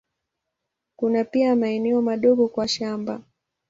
Kuna pia maeneo madogo kwa mashamba.